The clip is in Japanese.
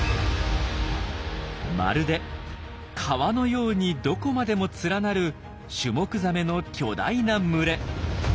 まるで川のようにどこまでも連なるシュモクザメの巨大な群れ。